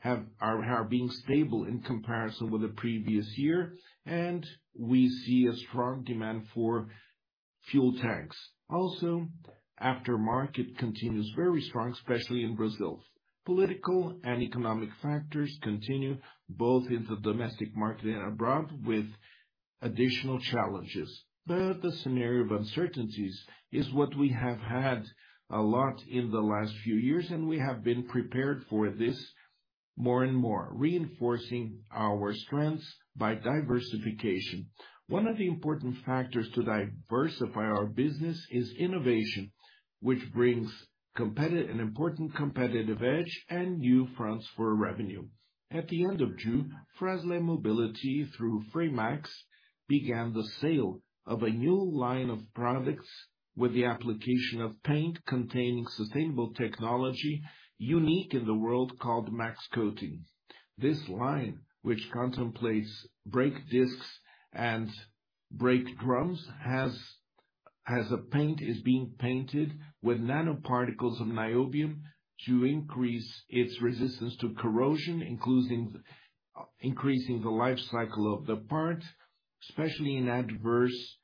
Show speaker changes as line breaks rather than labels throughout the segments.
have, are, are being stable in comparison with the previous year, and we see a strong demand for fuel tanks. Aftermarket continues very strong, especially in Brazil. Political and economic factors continue both in the domestic market and abroad, with additional challenges. The scenario of uncertainties is what we have had a lot in the last few years, and we have been prepared for this more and more, reinforcing our strengths by diversification. One of the important factors to diversify our business is innovation, which brings an important competitive edge and new fronts for revenue. At the end of June, Frasle Mobility, through Fremax, began the sale of a new line of products with the application of paint containing sustainable technology, unique in the world, called Max Coating. This line, which contemplates brake discs and brake drums, has, as a paint, is being painted with nanoparticles of niobium to increase its resistance to corrosion, including increasing the life cycle of the part, especially in adverse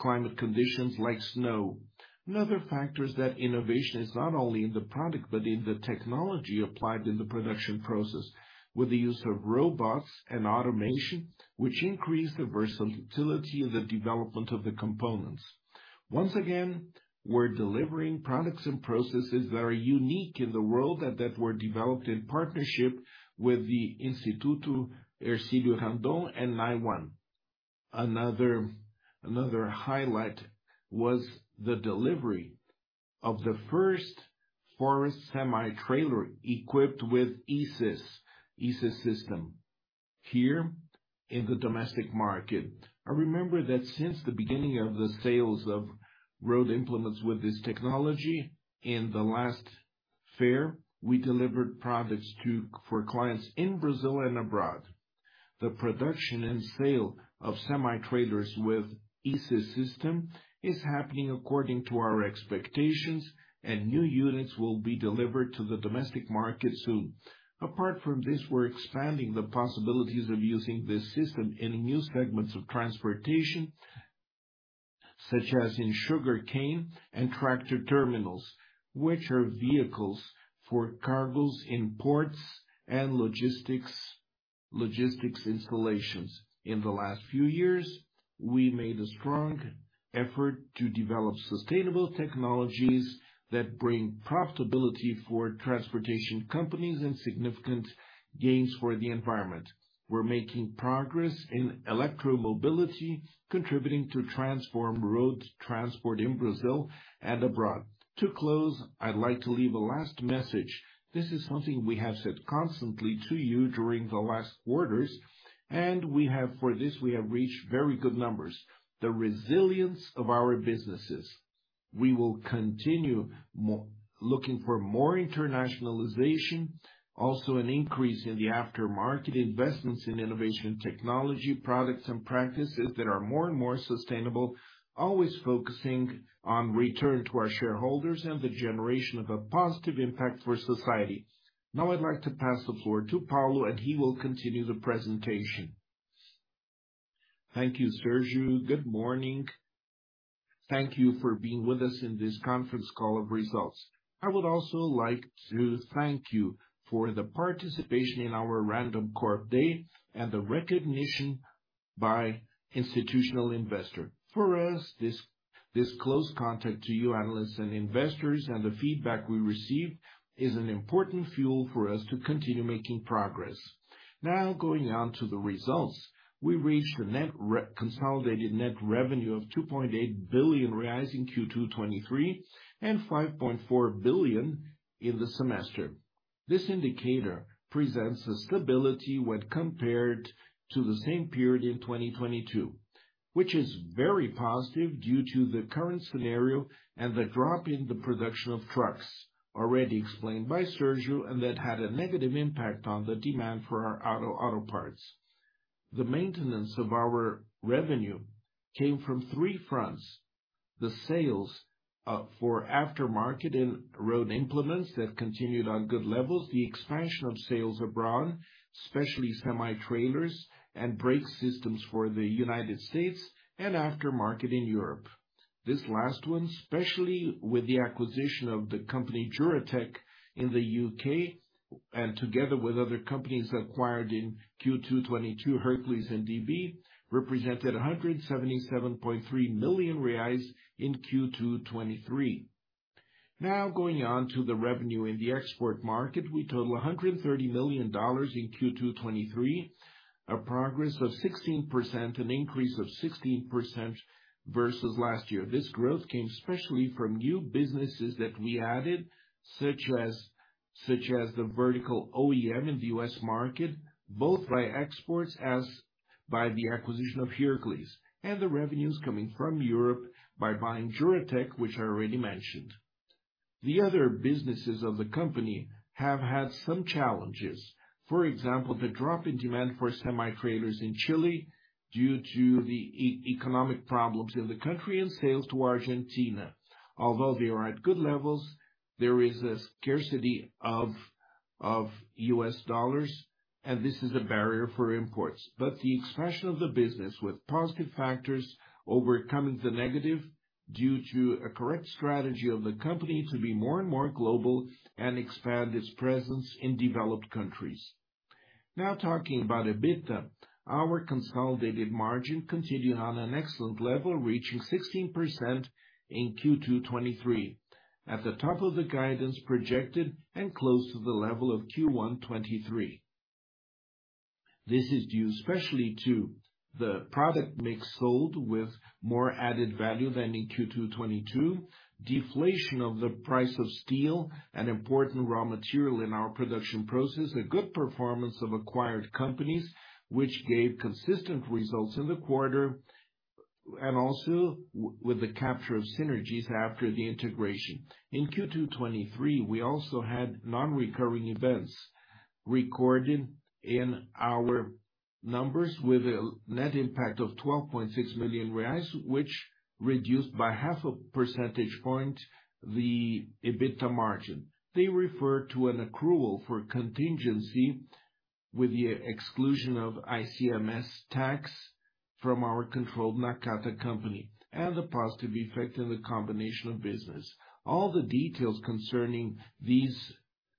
climate conditions like snow. Another factor is that innovation is not only in the product but in the technology applied in the production process, with the use of robots and automation, which increase the versatility in the development of the components. Once again, we're delivering products and processes that are unique in the world and that were developed in partnership with the Instituto Hercílio Randon and NIONE. Another highlight was the delivery of the first forest semi-trailer equipped with e-Sys system here in the domestic market. I remember that since the beginning of the sales of road implements with this technology in the last fair, we delivered products for clients in Brazil and abroad. The production and sale of semi-trailers with e-Sys system is happening according to our expectations, and new units will be delivered to the domestic market soon. Apart from this, we're expanding the possibilities of using this system in new segments of transportation, such as in sugar cane and tractor terminals, which are vehicles for cargoes in ports and logistics, logistics installations. In the last few years, we made a strong effort to develop sustainable technologies that bring profitability for transportation companies and significant gains for the environment. We're making progress in electromobility, contributing to transform road transport in Brazil and abroad. To close, I'd like to leave a last message. This is something we have said constantly to you during the last quarters. For this, we have reached very good numbers.
The resilience of our businesses. We will continue looking for more internationalization, also an increase in the aftermarket investments in innovation, technology, products and practices that are more and more sustainable, always focusing on return to our shareholders and the generation of a positive impact for society. Now, I'd like to pass the floor to Paulo. He will continue the presentation.
Thank you, Sergio. Good morning. Thank you for being with us in this conference call of results. I would also like to thank you for the participation in our Randoncorp Day and the recognition by Institutional Investor. For us, this, this close contact to you, analysts and investors, and the feedback we receive is an important fuel for us to continue making progress. Now, going on to the results. We reached a consolidated net revenue of 2.8 billion reais in Q2 2023 and 5.4 billion reais in the semester. This indicator presents a stability when compared to the same period in 2022, which is very positive due to the current scenario and the drop in the production of trucks already explained by Sergio, and that had a negative impact on the demand for our auto parts. The maintenance of our revenue came from three fronts: the sales for aftermarket and road implements that continued on good levels, the expansion of sales abroad, especially semi-trailers and brake systems for the United States and aftermarket in Europe. This last one, especially with the acquisition of the company, Juratek, in the UK, and together with other companies acquired in Q2 2022, Hercules and DB, represented R$177.3 million in Q2 2023. Now, going on to the revenue in the export market, we total $130 million in Q2 2023, a progress of 16%, an increase of 16% versus last year. This growth came especially from new businesses that we added, such as the vertical OEM in the US market, both by exports as by the acquisition of Hercules, and the revenues coming from Europe by buying Juratek, which I already mentioned. The other businesses of the company have had some challenges. For example, the drop in demand for semi-trailers in Chile due to the economic problems in the country and sales to Argentina. Although they are at good levels, there is a scarcity of U.S. dollars. This is a barrier for imports. The expression of the business, with positive factors overcoming the negative, due to a correct strategy of the company to be more and more global and expand its presence in developed countries. Now talking about EBITDA, our consolidated margin continued on an excellent level, reaching 16% in Q2 2023, at the top of the guidance projected and close to the level of Q1 2023. This is due especially to the product mix sold with more added value than in Q2 2022, deflation of the price of steel, an important raw material in our production process, a good performance of acquired companies which gave consistent results in the quarter, with the capture of synergies after the integration. In Q2 '23, we also had non-recurring events recorded in our numbers, with a net impact of 12.6 million reais, which reduced by 0.5 percentage point, the EBITDA margin. They refer to an accrual for contingency with the exclusion of ICMS tax from our controlled Nakata company, and the positive effect in the combination of business. All the details concerning these,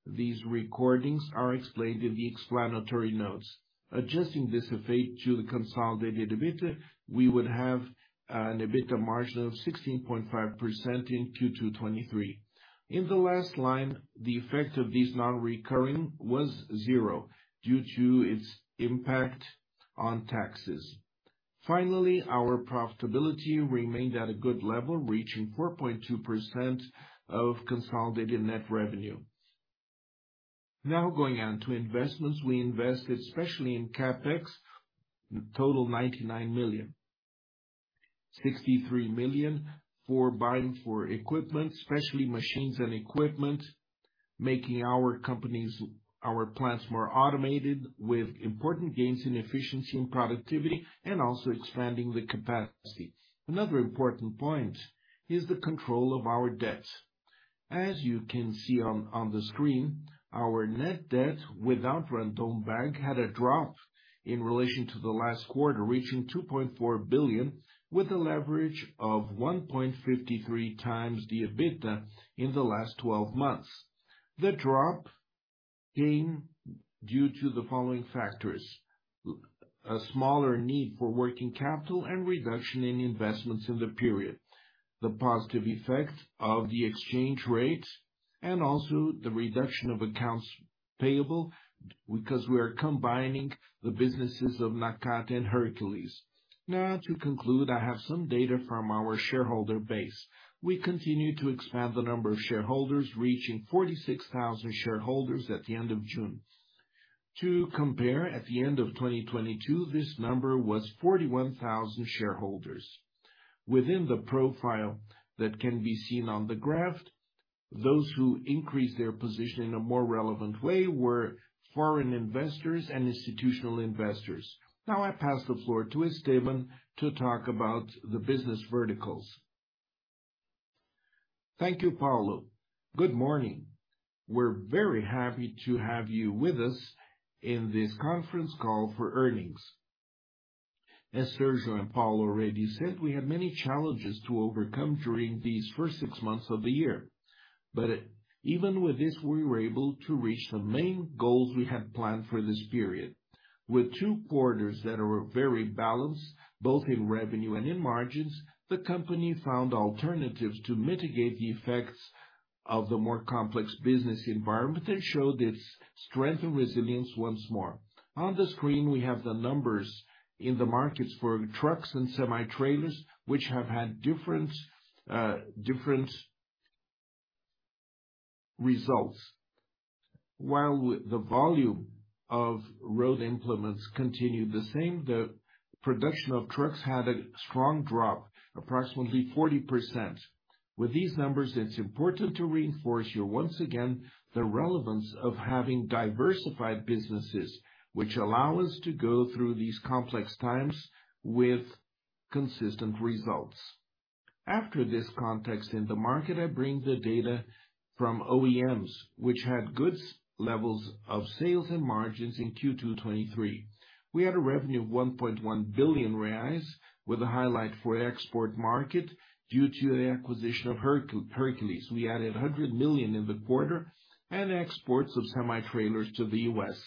these recordings are explained in the explanatory notes. Adjusting this effect to the consolidated EBITDA, we would have an EBITDA margin of 16.5% in Q2 '23. In the last line, the effect of these non-recurring was zero, due to its impact on taxes. Finally, our profitability remained at a good level, reaching 4.2% of consolidated net revenue. Going on to investments. We invested, especially in CapEx, a total 99 million reais. R$ 63 million for buying for equipment, especially machines and equipment, making our companies, our plants, more automated, with important gains in efficiency and productivity, and also expanding the capacity. Another important point is the control of our debt. As you can see on, on the screen, our net debt, without Banco Randon, had a drop in relation to the last quarter, reaching R$ 2.4 billion, with a leverage of 1.53 times the EBITDA in the last twelve months. The drop came due to the following factors: A smaller need for working capital and reduction in investments in the period, the positive effect of the exchange rates, and also the reduction of accounts payable, because we are combining the businesses of Nakata and Hercules. Now, to conclude, I have some data from our shareholder base. We continue to expand the number of shareholders, reaching 46,000 shareholders at the end of June. To compare, at the end of 2022, this number was 41,000 shareholders. Within the profile that can be seen on the graph, those who increased their position in a more relevant way were foreign investors and institutional investors. I pass the floor to Esteban to talk about the business verticals. Thank you, Paulo. Good morning. \We're very happy to have you with us in this conference call for earnings. As Sergio and Paulo already said, we had many challenges to overcome during these first six months of the year, even with this, we were able to reach the main goals we had planned for this period. With two quarters that are very balanced, both in revenue and in margins, the company found alternatives to mitigate the effects of the more complex business environment, and showed its strength and resilience once more. On the screen, we have the numbers in the markets for trucks and semi-trailers, which have had different, different results. While the volume of road implements continued the same, the production of trucks had a strong drop, approximately 40%. With these numbers, it's important to reinforce you once again, the relevance of having diversified businesses, which allow us to go through these complex times with consistent results. After this context in the market, I bring the data from OEMs, which had good levels of sales and margins in Q2 '23. We had a revenue of R$1.1 billion, with a highlight for export market due to the acquisition of Hercules. We added 100 million in the quarter and exports of semi-trailers to the US.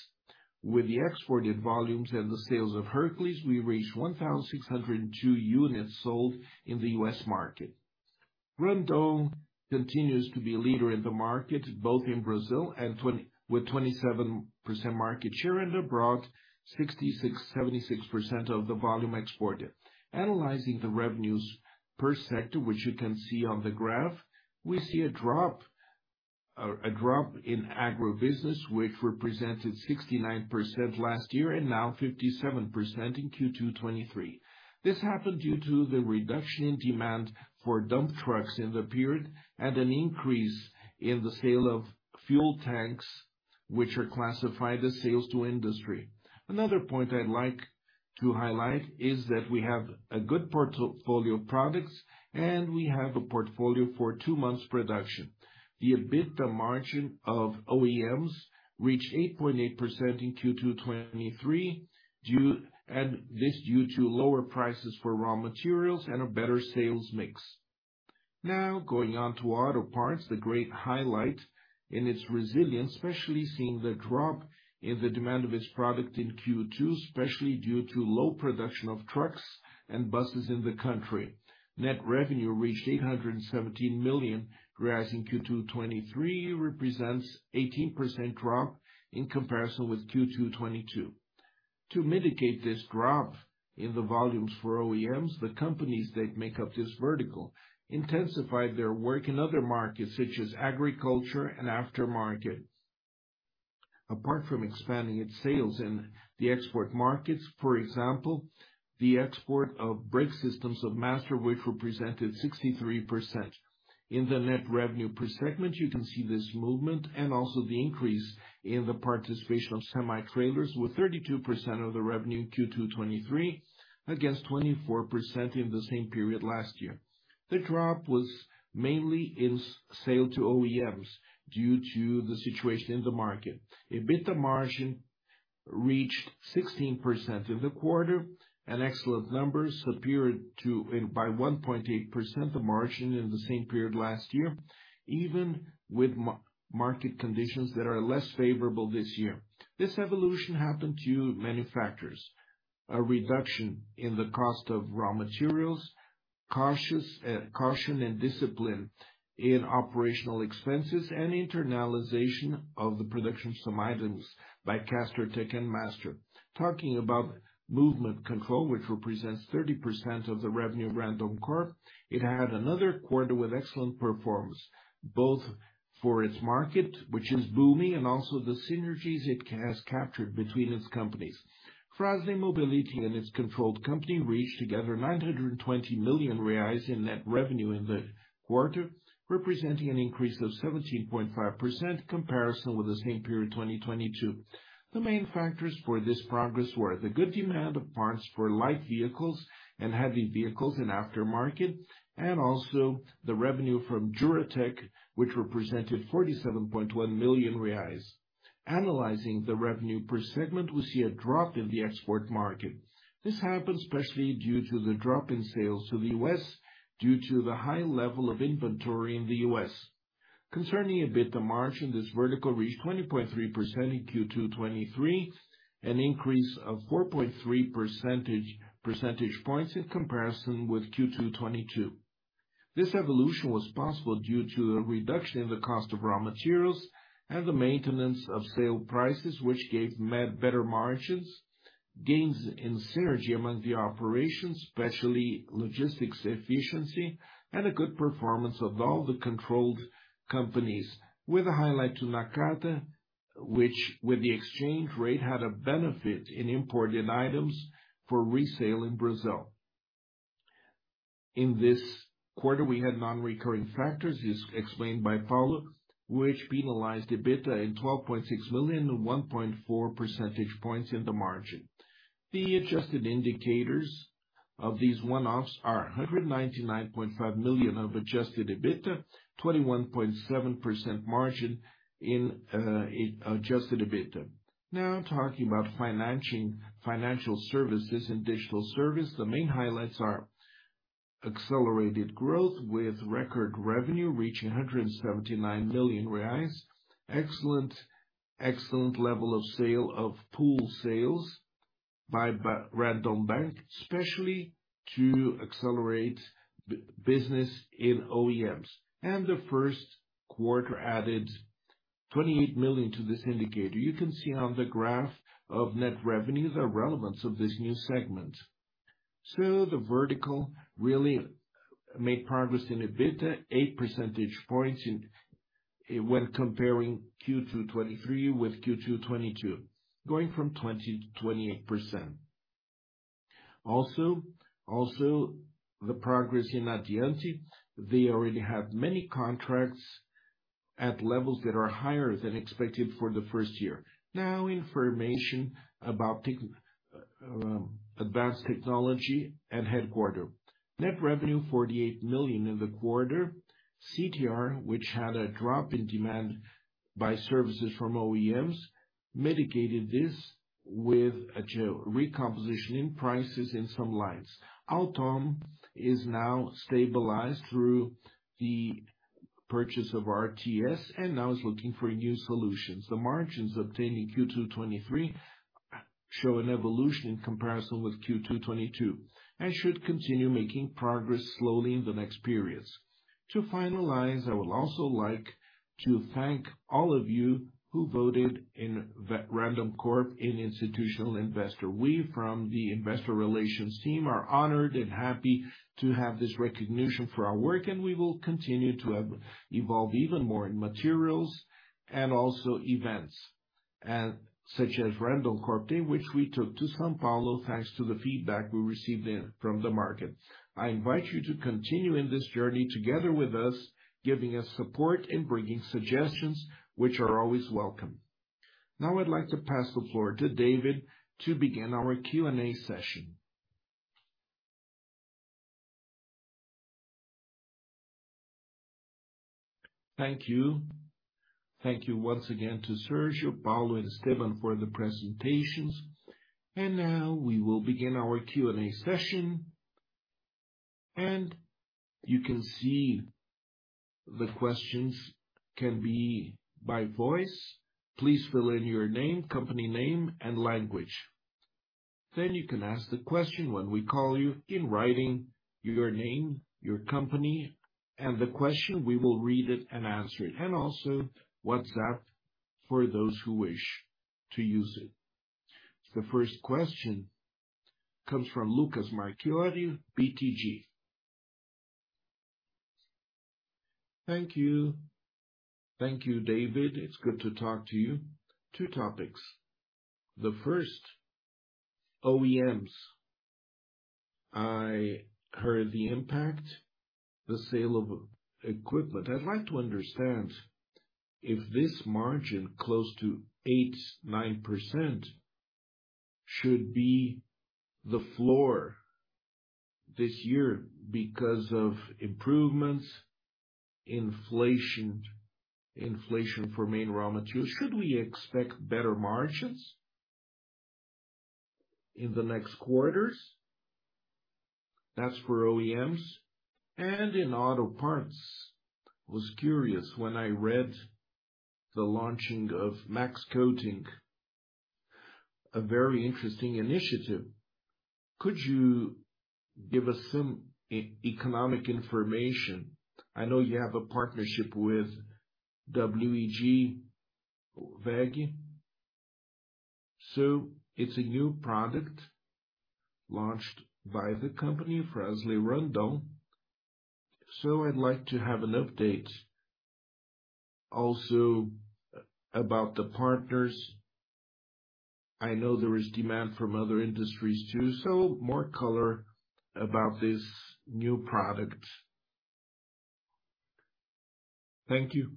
With the exported volumes and the sales of Hercules, we reached 1,602 units sold in the US market. Randoncorp continues to be a leader in the market, both in Brazil with 27% market share, and abroad, 66%, 76% of the volume exported. Analyzing the revenues per sector, which you can see on the graph, we see a drop, a drop in agribusiness, which represented 69% last year and now 57% in Q2 '23. This happened due to the reduction in demand for dump trucks in the period, and an increase in the sale of fuel tanks, which are classified as sales to industry. Another point I'd like-... to highlight is that we have a good portfolio of products, and we have a portfolio for 2 months production. The EBITDA margin of OEMs reached 8.8% in Q2 '23, due to lower prices for raw materials and a better sales mix. Now, going on to Auto Parts, the great highlight in its resilience, especially seeing the drop in the demand of its product in Q2, especially due to low production of trucks and buses in the country. Net revenue reached BRL 817 million, rising Q2 '23, represents 18% drop in comparison with Q2 '22. To mitigate this drop in the volumes for OEMs, the companies that make up this vertical intensified their work in other markets, such as agriculture and aftermarket. Apart from expanding its sales in the export markets, for example, the export of brake systems of Master, which represented 63%. In the net revenue per segment, you can see this movement, and also the increase in the participation of semi-trailers, with 32% of the revenue in Q2 '23, against 24% in the same period last year. The drop was mainly in sale to OEMs due to the situation in the market. EBITDA margin reached 16% in the quarter, and excellent numbers superior to by 1.8% the margin in the same period last year, even with market conditions that are less favorable this year. This evolution happened due to many factors: a reduction in the cost of raw materials, cautious caution and discipline in operational expenses, and internalization of the production of some items by Castertech and Master. Talking about movement control, which represents 30% of the revenue of Randoncorp, it had another quarter with excellent performance, both for its market, which is booming, and also the synergies it has captured between its companies. Frasle Mobility and its controlled company reached together 920 million reais in net revenue in the quarter, representing an increase of 17.5% comparison with the same period, 2022. The main factors for this progress were the good demand of parts for light vehicles and heavy vehicles in aftermarket, and also the revenue from Juratek, which represented 47.1 million reais. Analyzing the revenue per segment, we see a drop in the export market. This happened especially due to the drop in sales to the U.S., due to the high level of inventory in the U.S. Concerning EBITDA margin, this vertical reached 20.3% in Q2 '23, an increase of 4.3 percentage points in comparison with Q2 '22. This evolution was possible due to the reduction in the cost of raw materials and the maintenance of sale prices, which gave met better margins, gains in synergy among the operations, especially logistics efficiency, and a good performance of all the controlled companies, with a highlight to Nakata, which, with the exchange rate, had a benefit in importing items for resale in Brazil. In this quarter, we had non-recurring factors, as explained by Paulo, which penalized EBITDA in R$ 12.6 million, to 1.4 percentage points in the margin. The adjusted indicators of these one-offs are R$ 199.5 million of adjusted EBITDA, 21.7% margin in adjusted EBITDA. Talking about financial, financial services and digital service, the main highlights are accelerated growth with record revenue, reaching 179 million reais. Excellent, excellent level of sale of pool sales by Banco Randon, especially to accelerate business in OEMs. The first quarter added 28 million to this indicator. You can see on the graph of net revenues, the relevance of this new segment. The vertical really made progress in EBITDA, 8 percentage points when comparing Q2 '23 with Q2 '22, going from 20%-28%. The progress in Addiante, they already have many contracts at levels that are higher than expected for the first year. Information about tech, Advanced Technology and Headquarter. Net revenue, 48 million in the quarter. CTR, which had a drop in demand by services from OEMs, mitigated this with a geo-recomposition in prices in some lines. Auttom is now stabilized through the purchase of Auttom, and now is looking for new solutions. The margins obtained in Q2 '23 show an evolution in comparison with Q2 '22, and should continue making progress slowly in the next periods. To finalize, I would also like to thank all of you who voted in the Randoncorp in Institutional Investor. We, from the investor relations team, are honored and happy to have this recognition for our work, and we will continue to evolve even more in materials and also events, and such as Randoncorp, in which we took to São Paulo, thanks to the feedback we received from the market. I invite you to continue in this journey together with us, giving us support and bringing suggestions which are always welcome. Now, I'd like to pass the floor to David to begin our Q&A session. Thank you. Thank you once again to Sergio, Paulo, and Esteban for the presentations. Now we will begin our Q&A session. You can see the questions can be by voice. Please fill in your name, company name, and language. You can ask the question when we call you, in writing, your name, your company, and the question, we will read it and answer it, and also WhatsApp for those who wish to use it. The first question comes from Lucas Marchiori, BTG. Thank you. Thank you, David. It's good to talk to you. Two topics. The first, OEMs. I heard the impact, the sale of equipment. I'd like to understand if this margin, close to 8%-9%, should be the floor this year because of improvements, inflation, inflation for main raw materials. Should we expect better margins in the next quarters? That's for OEMs. In auto parts, I was curious when I read the launching of Max Coating, a very interesting initiative. Could you give us some e-economic information? I know you have a partnership with WEG, WEG. It's a new product launched by the company, Fras-le Randoncorp. I'd like to have an update also about the partners. I know there is demand from other industries, too, so more color about this new product. Thank you.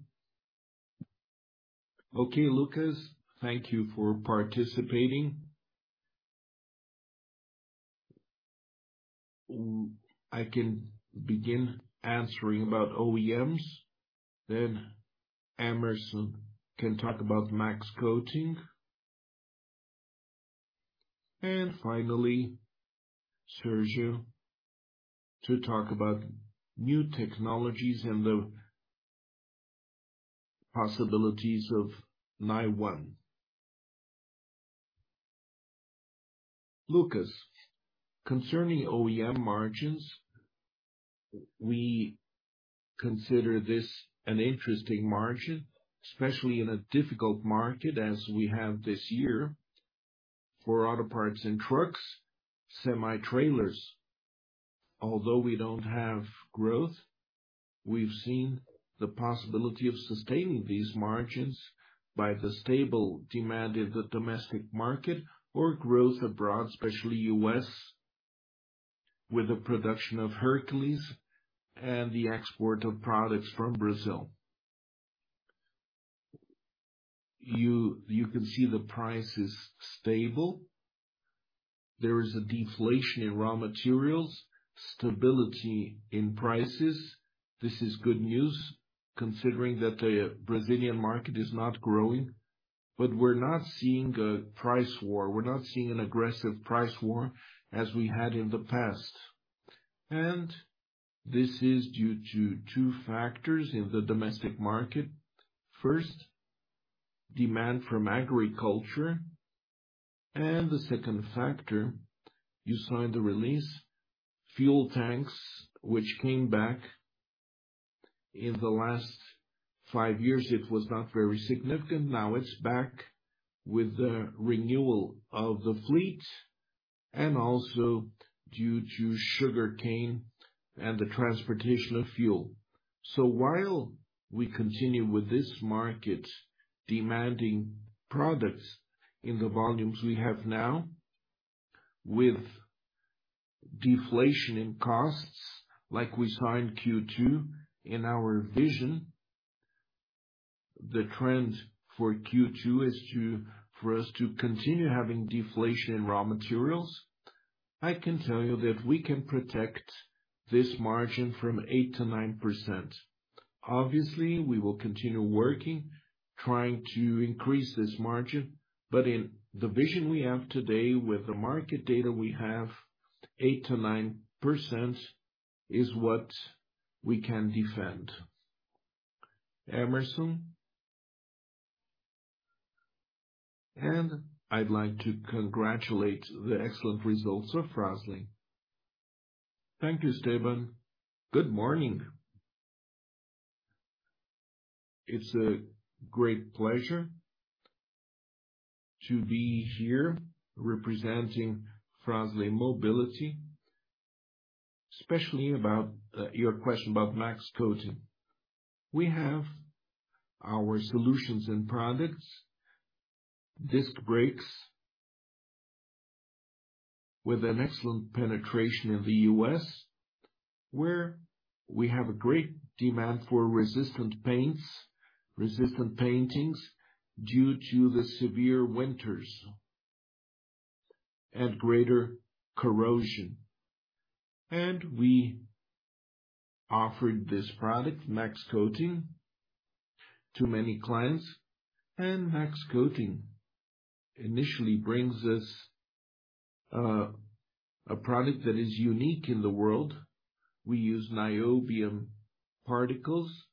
Okay, Lucas, thank you for participating. I can begin answering about OEMs, then Emerson can talk about Max Coating. Finally, Sergio, to talk about new technologies and the possibilities of NIONE. Lucas, concerning OEM margins, we consider this an interesting margin, especially in a difficult market as we have this year for auto parts and trucks, semi-trailers. Although we don't have growth, we've seen the possibility of sustaining these margins by the stable demand in the domestic market or growth abroad, especially US, with the production of Hercules and the export of products from Brazil. You, can see the price is stable. There is a deflation in raw materials, stability in prices. This is good news, considering that the Brazilian market is not growing, but we're not seeing a price war. We're not seeing an aggressive price war as we had in the past. This is due to two factors in the domestic market. First, demand from agriculture, and the second factor, you saw in the release, fuel tanks, which came back. In the last five years, it was not very significant. Now it's back with the renewal of the fleet and also due to sugarcane and the transportation of fuel. While we continue with this market, demanding products in the volumes we have now, with deflation in costs, like we saw in Q2, in our vision, the trend for Q2 is to for us to continue having deflation in raw materials. I can tell you that we can protect this margin from 8%-9%. Obviously, we will continue working, trying to increase this margin, but in the vision we have today, with the market data we have, 8%-9% is what we can defend. Emerson. I'd like to congratulate the excellent results of Fras-le. Thank you, Esteban. Good morning. It's a great pleasure to be here representing Frasle Mobility, especially about your question about Max Coating. We have our solutions and products, disc brakes, with an excellent penetration in the US, where we have a great demand for resistant paints, resistant paintings, due to the severe winters and greater corrosion. We offered this product, Max Coating, to many clients. Max Coating initially brings us a product that is unique in the world. We use niobium particles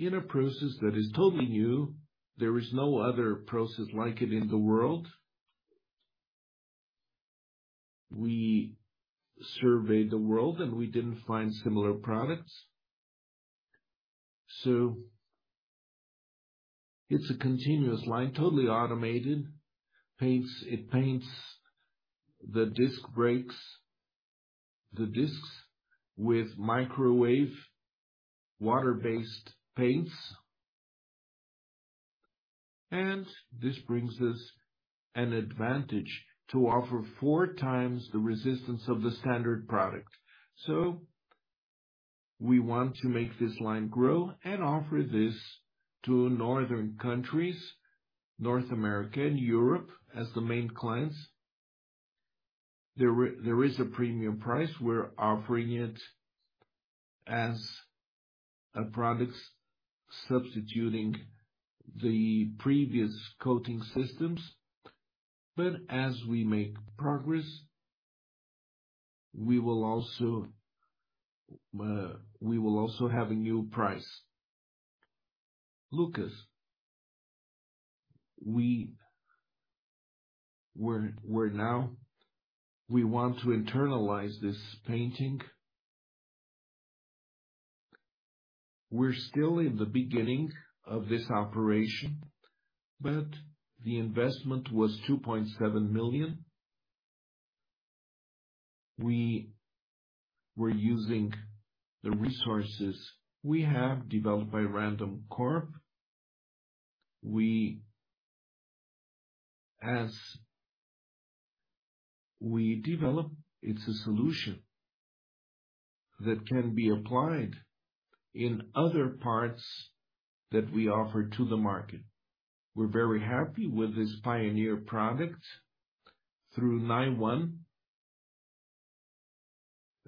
in a process that is totally new. There is no other process like it in the world. We surveyed the world, and we didn't find similar products. It's a continuous line, totally automated. It paints the disc brakes, the discs with microwave, water-based paints. This brings us an advantage to offer four times the resistance of the standard product. We want to make this line grow and offer this to northern countries, North America and Europe, as the main clients. There is a premium price. We're offering it as a product substituting the previous coating systems. As we make progress, we will also, we will also have a new price. Lucas, we want to internalize this painting. We're still in the beginning of this operation, but the investment was 2.7 million. We were using the resources we have developed by Randoncorp. As we develop, it's a solution that can be applied in other parts that we offer to the market. We're very happy with this pioneer product through NIONE,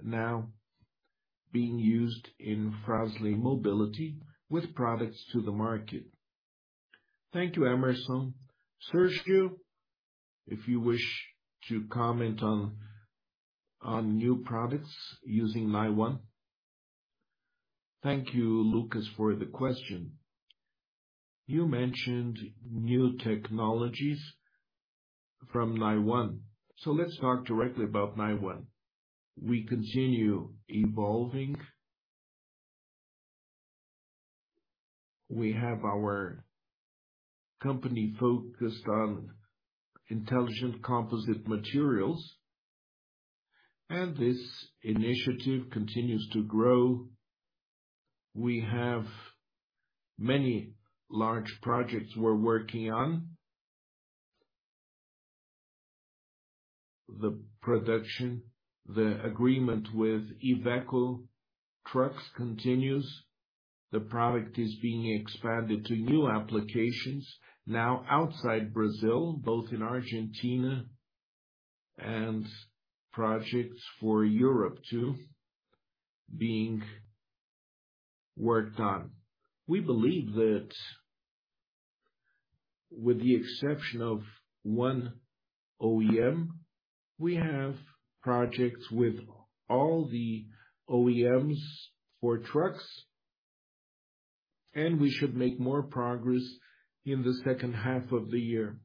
now being used in Frasle Mobility with products to the market. Thank you, Emerson. Sergio, if you wish to comment on new products using NIONE? Thank you, Lucas, for the question. You mentioned new technologies from NIONE, so let's talk directly about NIONE. We continue evolving. We have our company focused on intelligent composite materials, and this initiative continues to grow. We have many large projects we're working on. The production, the agreement with Iveco continues. The product is being expanded to new applications now outside Brazil, both in Argentina and projects for Europe, too, being worked on. We believe that with the exception of one OEM, we have projects with all the OEMs for trucks, and we should make more progress in the second half of the year.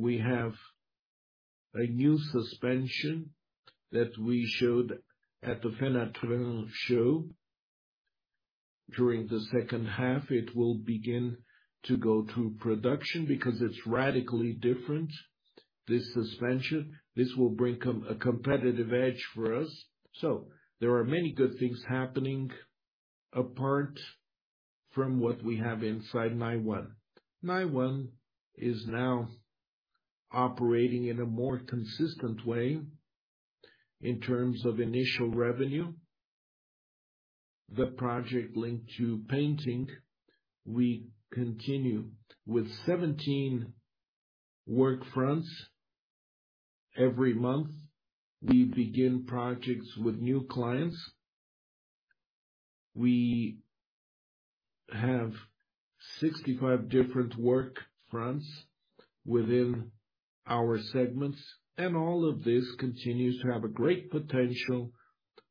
We have other products growing in our modular platform. We have a new suspension that we showed at the Fenatran show. During the second half, it will begin to go through production because it's radically different, this suspension. This will bring com... There are many good things happening apart from what we have inside NIONE. NIONE is now operating in a more consistent way in terms of initial revenue. The project linked to painting, we continue with 17 work fronts. Every month, we begin projects with new clients. We have 65 different work fronts within our segments, and all of this continues to have a great potential.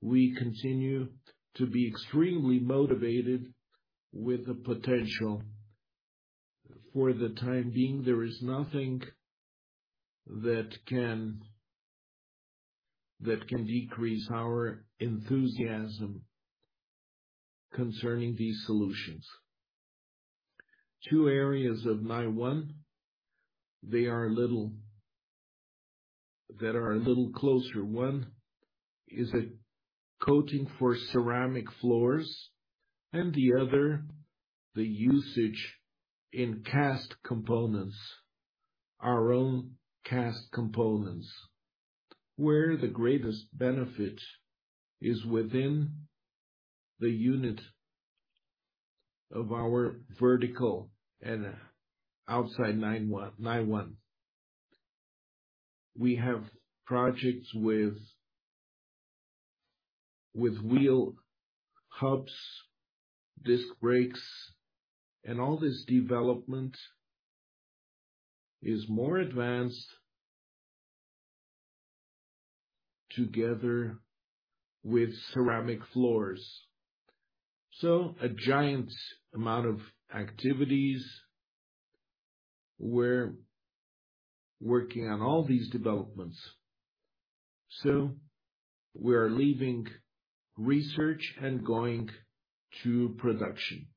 We continue to be extremely motivated with the potential. For the time being, there is nothing that can, that can decrease our enthusiasm concerning these solutions. Two areas of NIONE, that are a little closer. One is a coating for ceramic floors, and the other, the usage in cast components, our own cast components, where the greatest benefit is within the unit of our vertical and outside NIONE, NIONE. We have projects with, with wheel hubs, disc brakes, and all this development is more advanced together with ceramic floors. A giant amount of activities, we're working on all these developments. We are leaving research and going to production.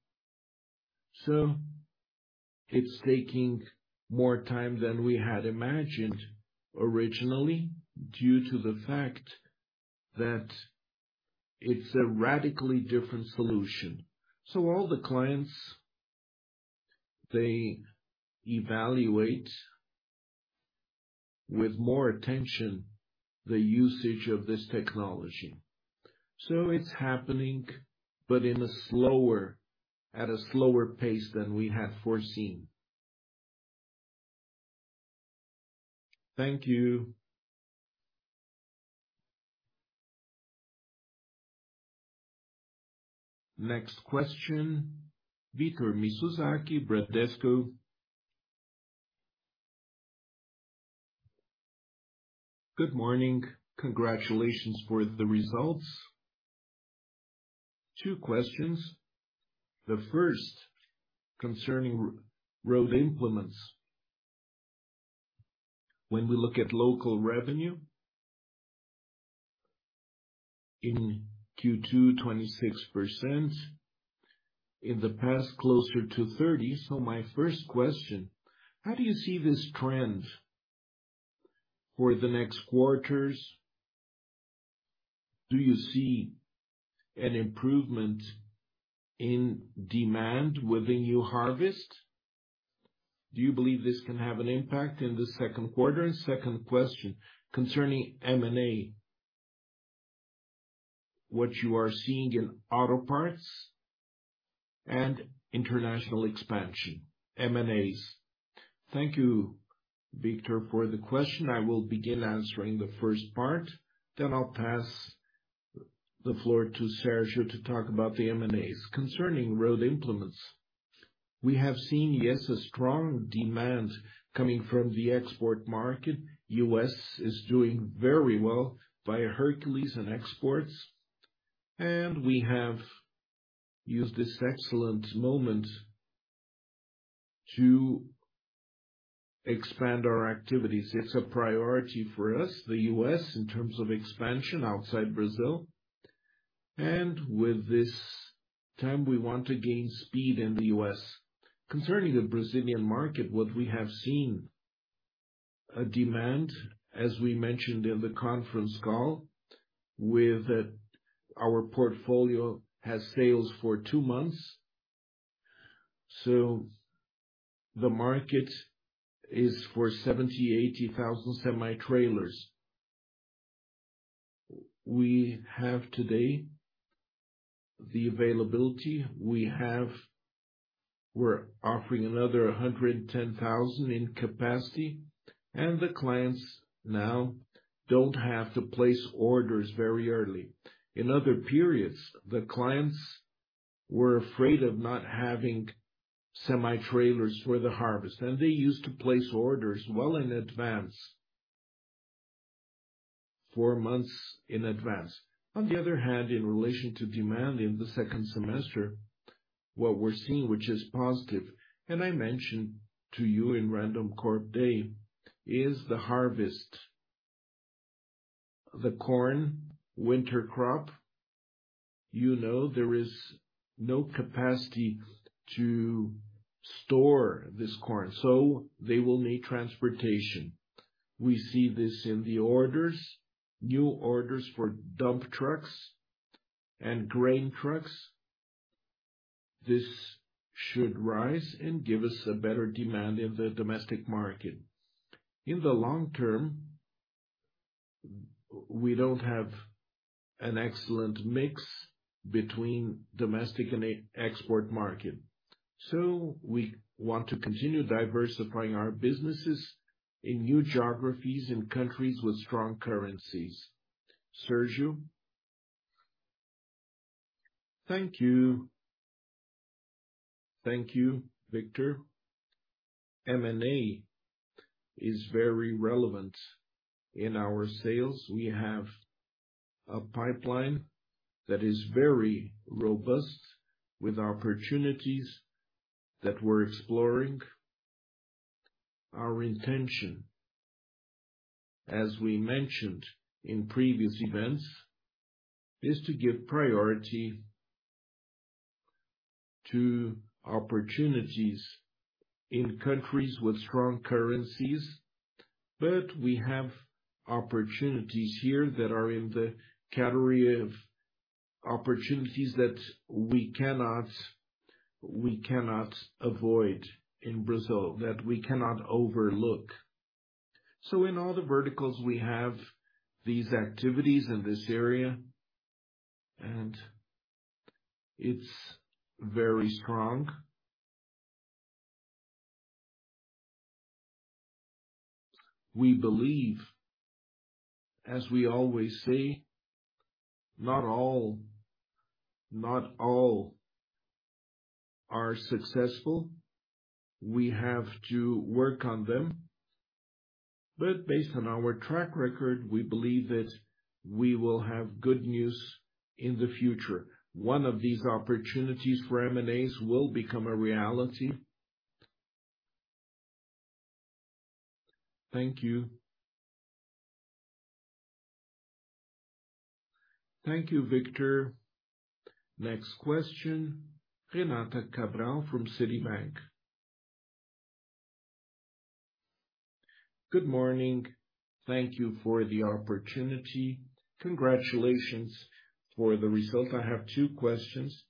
It's taking more time than we had imagined originally, due to the fact that it's a radically different solution. All the clients, they evaluate with more attention, the usage of this technology. It's happening, but in a slower, at a slower pace than we had foreseen. Thank you. Next question, Victor Mizusaki, Bradesco. Good morning. Congratulations for the results. two questions: The first, concerning road implements. When we look at local revenue, in Q2, 26%, in the past, closer to 30. My first question: How do you see this trend for the next quarters? Do you see an improvement in demand with the new harvest? Do you believe this can have an impact in the second quarter? Second question, concerning M&A, what you are seeing in auto parts and international expansion, M&As. Thank you, Victor, for the question. I will begin answering the first part, then I'll pass the floor to Sergio to talk about the M&As. Concerning road implements, we have seen, yes, a strong demand coming from the export market. U.S. is doing very well by Hercules and exports, and we have used this excellent moment to expand our activities. It's a priority for us, the U.S. In terms of expansion outside Brazil, and with this time, we want to gain speed in the U.S. Concerning the Brazilian market, what we have seen, a demand, as we mentioned in the conference call, with our portfolio, has sales for 2 months.
The market is for 70,000-80,000 semi-trailers. We have today, the availability, we're offering another 110,000 in capacity, and the clients now don't have to place orders very early. In other periods, the clients were afraid of not having semi-trailers for the harvest, and they used to place orders well in advance, 4 months in advance. On the other hand, in relation to demand in the second semester, what we're seeing, which is positive. I mentioned to you in Randoncorp Day, is the harvest. The corn, winter crop, you know, there is no capacity to store this corn, so they will need transportation. We see this in the orders, new orders for dump trucks and grain trucks. This should rise and give us a better demand in the domestic market.
In the long term, we don't have an excellent mix between domestic and export market, so we want to continue diversifying our businesses in new geographies and countries with strong currencies. Sergio? Thank you. Thank you, Victor. M&A is very relevant in our sales. We have a pipeline that is very robust, with opportunities that we're exploring. Our intention, as we mentioned in previous events, is to give priority to opportunities in countries with strong currencies. We have opportunities here that are in the category of opportunities that we cannot, we cannot avoid in Brazil, that we cannot overlook. In all the verticals, we have these activities in this area, and it's very strong. We believe, as we always say, not all, not all are successful. We have to work on them, but based on our track record, we believe that we will have good news in the future. One of these opportunities for M&As will become a reality. Thank you. Thank you, Victor. Next question, Renata Cabral from Citibank. Good morning. Thank you for the opportunity. Congratulations for the results. I have two questions.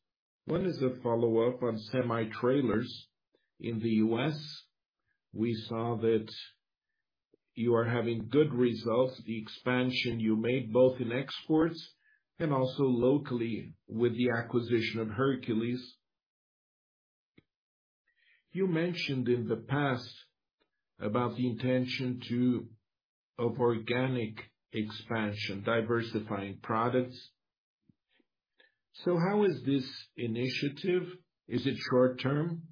One is a follow-up on semi-trailers. In the US, we saw that you are having good results, the expansion you made, both in exports and also locally with the acquisition of Hercules. You mentioned in the past about the intention of organic expansion, diversifying products. How is this initiative? Is it short term?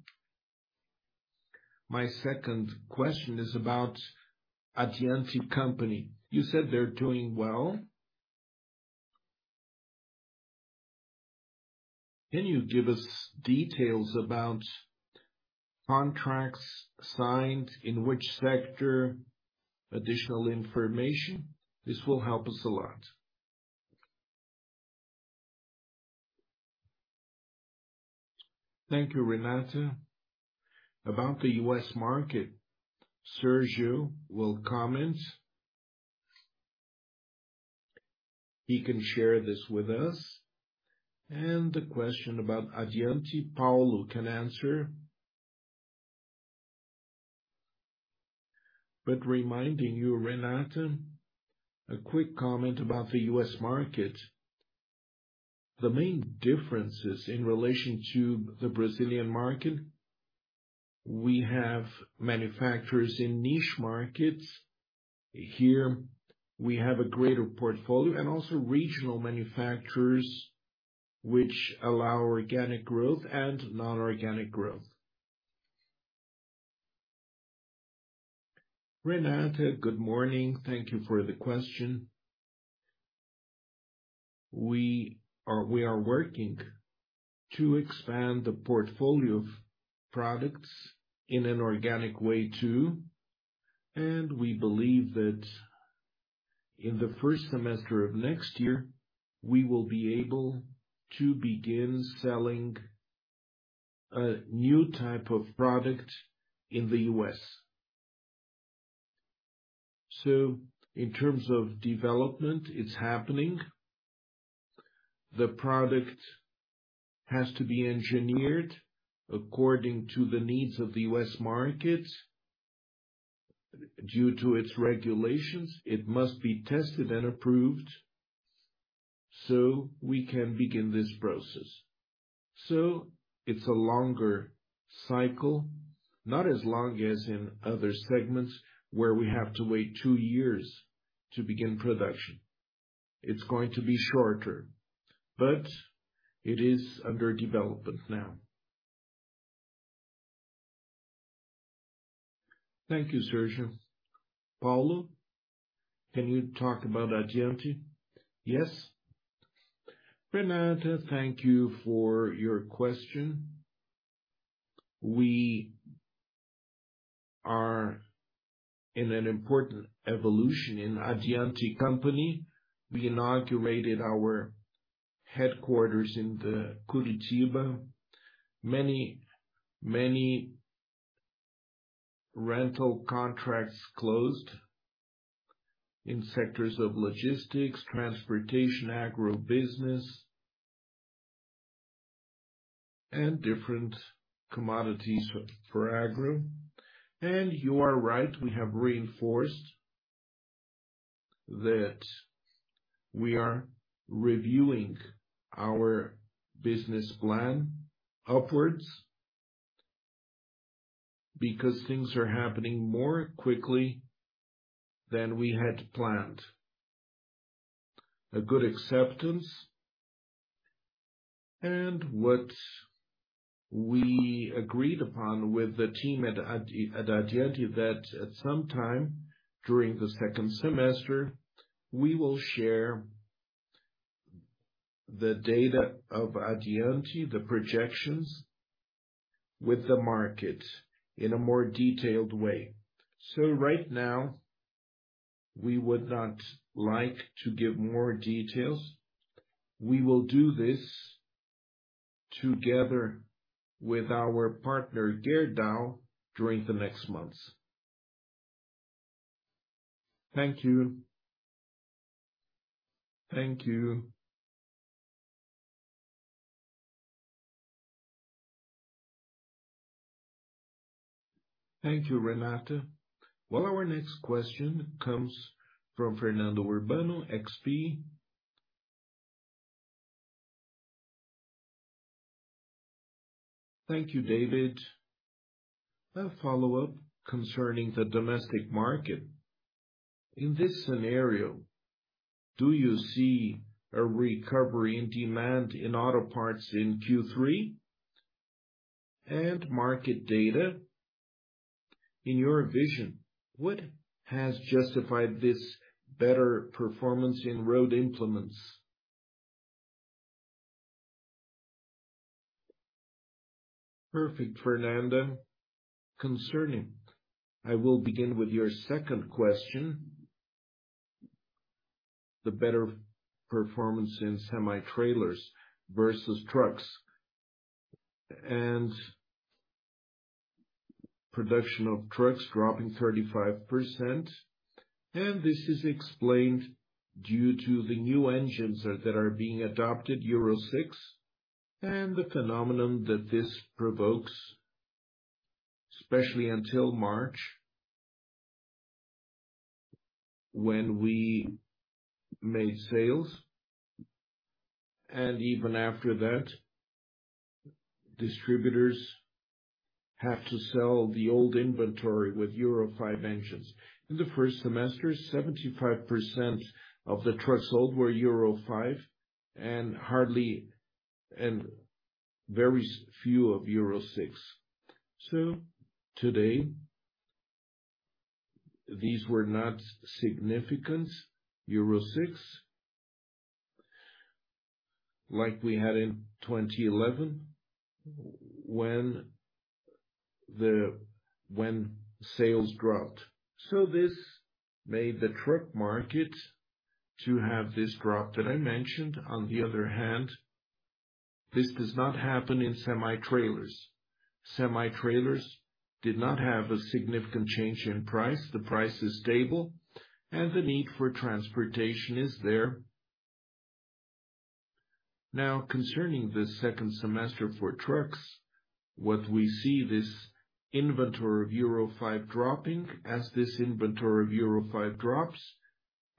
My second question is about Addiante Company. You said they're doing well. Can you give us details about contracts signed, in which sector, additional information? This will help us a lot. Thank you, Renata. About the U.S. market, Sergio will comment. He can share this with us. The question about Addiante, Paulo can answer. Reminding you, Renata, a quick comment about the U.S. market. The main differences in relation to the Brazilian market, we have manufacturers in niche markets. Here, we have a greater portfolio and also regional manufacturers, which allow organic growth and non-organic growth. Renata, good morning. Thank you for the question. We are, we are working to expand the portfolio of products in an organic way, too, and we believe that in the first semester of next year, we will be able to begin selling a new type of product in the U.S. In terms of development, it's happening. The product has to be engineered according to the needs of the U.S. market. Due to its regulations, it must be tested and approved, we can begin this process. It's a longer cycle, not as long as in other segments, where we have to wait 2 years to begin production. It's going to be shorter, it is under development now. Thank you, Sergio. Paulo, can you talk about Addiante? Yes. Renata, thank you for your question. We are in an important evolution in Addiante Company. We inaugurated our headquarters in the Curitiba. Many, many rental contracts closed in sectors of logistics, transportation, agro business, and different commodities for agro. You are right, we have reinforced that we are reviewing our business plan upwards, because things are happening more quickly than we had planned. A good acceptance, and what we agreed upon with the team at Addiante, that at some time during the second semester, we will share the data of Addiante, the projections with the market in a more detailed way. Right now, we would not like to give more details. We will do this together with our partner, Gerdau, during the next months. Thank you. Thank you. Renata. Well, our next question comes from Fernando Urbano, XP. Thank you, David. A follow-up concerning the domestic market. In this scenario, do you see a recovery in demand in auto parts in Q3 and market data? In your vision, what has justified this better performance in road implements? Perfect, Fernando. Concerning, I will begin with your second question. The better performance in semi-trailers versus trucks, and production of trucks dropping 35%, and this is explained due to the new engines that are being adopted, Euro 6, and the phenomenon that this provokes, especially until March, when we made sales, and even after that, distributors have to sell the old inventory with Euro 5 engines. In the first semester, 75% of the trucks sold were Euro 5, and hardly and very few of Euro 6. Today, these were not significant, Euro 6, like we had in 2011, when sales dropped. On the other hand, this does not happen in semi-trailers. Semi-trailers did not have a significant change in price. The price is stable, and the need for transportation is there. Concerning the second semester for trucks, what we see this inventory of Euro 5 dropping. As this inventory of Euro 5 drops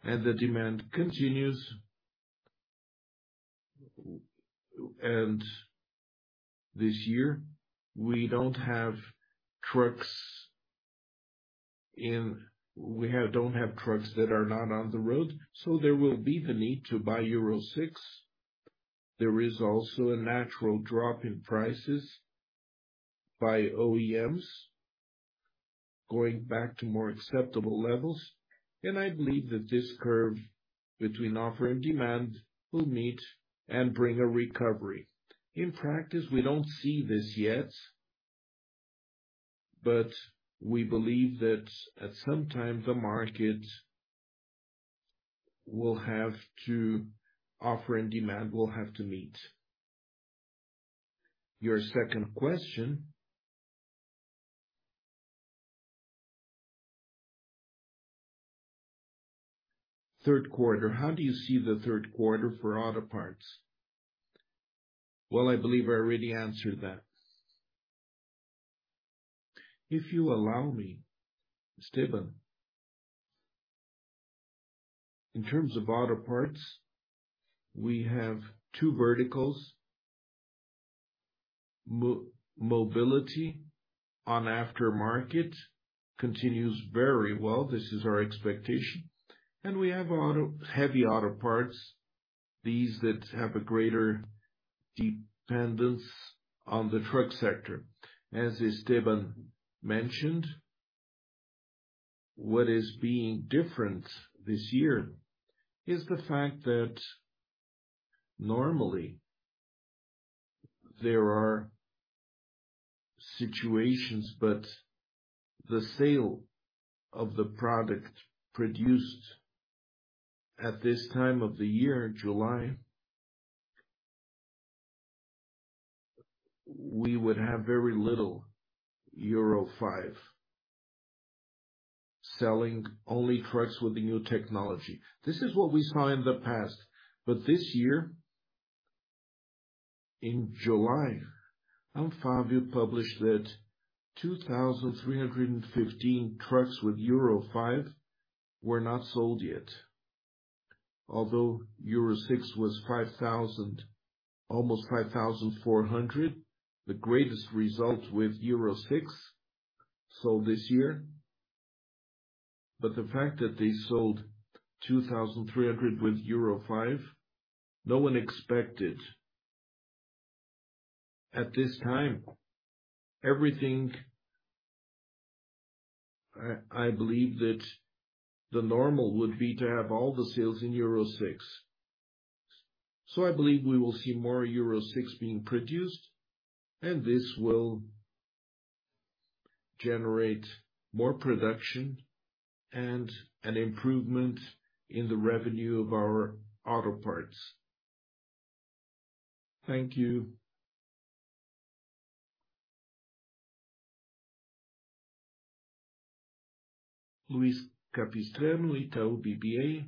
and the demand continues, and this year, we don't have trucks that are not on the road, so there will be the need to buy Euro 6. There is also a natural drop in prices by OEMs, going back to more acceptable levels, and I believe that this curve between offer and demand will meet and bring a recovery. In practice, we don't see this yet, but we believe that at some time, the market will have to offer and demand will have to meet. Your second question. Third quarter, how do you see the third quarter for auto parts? Well, I believe I already answered that. If you allow me, Esteban, in terms of auto parts, we have two verticals. Mobility on aftermarket continues very well. This is our expectation, and we have auto, heavy auto parts, these that have a greater dependence on the truck sector. As Esteban mentioned, what is being different this year is the fact that normally there are situations, but the sale of the product produced at this time of the year, July, we would have very little Euro 5 selling, only trucks with the new technology. This is what we saw in the past. This year, in July, Anfavea published that 2,315 trucks with Euro 5 were not sold yet. Although Euro 6 was 5,000, almost 5,400, the greatest result with Euro 6 sold this year. The fact that they sold 2,300 with Euro 5, no one expected. At this time, everything, I believe that the normal would be to have all the sales in Euro 6. I believe we will see more Euro 6 being produced, and this will generate more production and an improvement in the revenue of our auto parts. Thank you. Luiz Capistrano, Itaú BBA.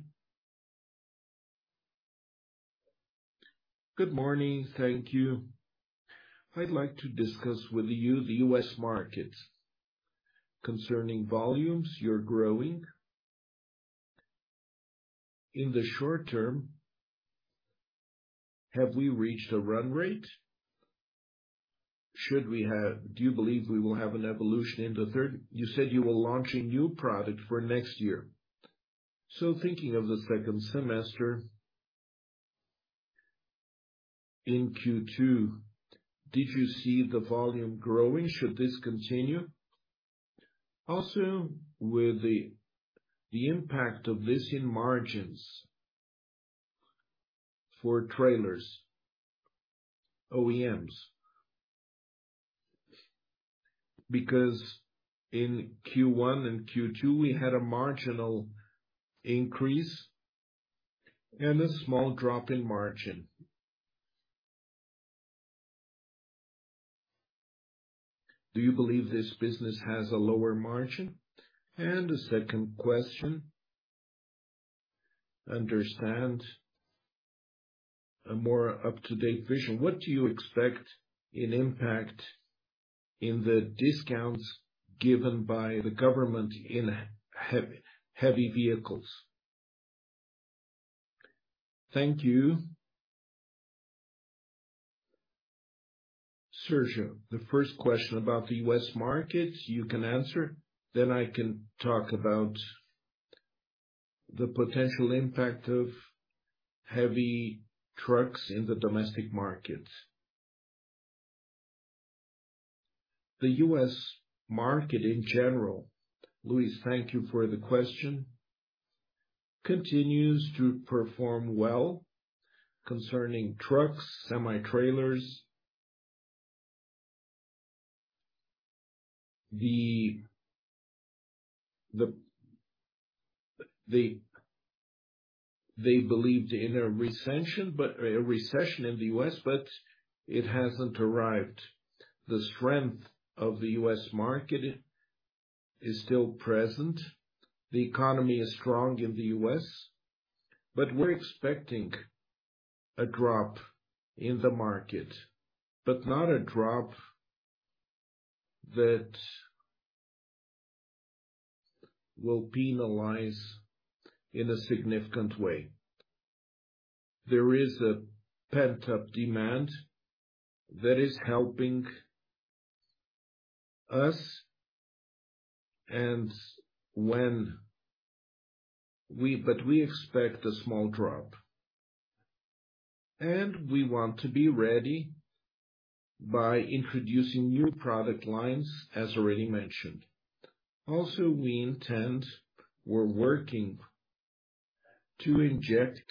Good morning. Thank you. I'd like to discuss with you the US market. Concerning volumes, you're growing. In the short term, have we reached a run rate? Should we do you believe we will have an evolution in the third? You said you will launch a new product for next year. Thinking of the second semester, in Q2, did you see the volume growing? Should this continue? Also, with the impact of this in margins for trailers, OEMs. Because in Q1 and Q2, we had a marginal increase and a small drop in margin. Do you believe this business has a lower margin? The second question, understand a more up-to-date vision, what do you expect in impact in the discounts given by the government in heavy vehicles? Thank you. Sergio, the first question about the US market, you can answer, then I can talk about the potential impact of heavy trucks in the domestic market. The US market in general, Luis, thank you for the question, continues to perform well concerning trucks, semi-trailers. They believed in a recession in the US, but it hasn't arrived. The strength of the US market is still present. The economy is strong in the US, but we're expecting a drop in the market, but not a drop that will penalize in a significant way. There is a pent-up demand that is helping us. We expect a small drop. We want to be ready by introducing new product lines, as already mentioned. Also, we intend, we're working to inject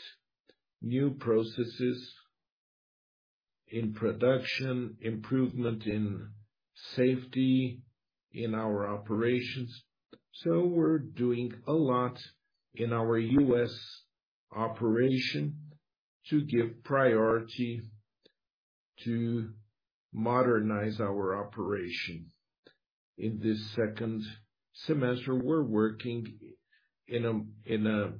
new processes in production, improvement in safety in our operations. We're doing a lot in our US operation to give priority to modernize our operation. In this second semester, we're working in a